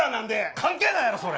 関係ないやろ、それ。